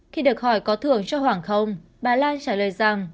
khi được hỏi có thưởng cho hoàng không bà lan trả lời rằng